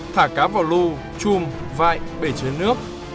thả cá vào lưu chùm vại bể chế nước